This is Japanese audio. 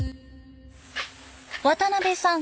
渡邊さん